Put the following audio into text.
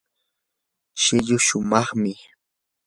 shilluu shumaqmi.